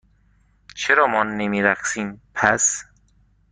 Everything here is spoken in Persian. چرا ما نمی رقصیم، پس؟